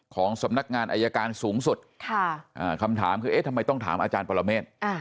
ของสำนักงานอายการสูงสุดคำถามคือเอ๊ะทำไมต้องถามอาจารย์ปรเมฆ